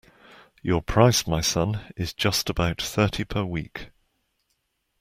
Your price, my son, is just about thirty per week.